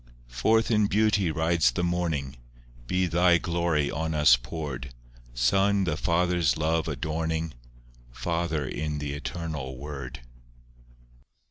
VIII Forth in beauty rides the Morning— Be Thy glory on us poured; Son, the Father's love adorning, Father in th' Eternal Word.